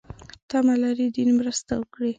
تمه لري دین مرسته وکړي.